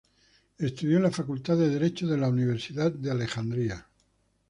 Estudió en la Facultad de Derecho de la Universidad de Alejandría.